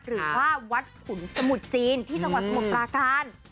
หรือว่าวัดขุนสมุทรจีนที่จังหวัดสมุทรปราการ